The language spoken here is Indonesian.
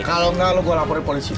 kalau enggak lo gue laporin polisi